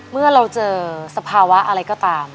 เมื่อเราเจอสภาวะอะไรก็ตาม